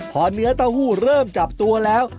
พอเนื้อเต้าหู้เริ่มจับตัวแล้ว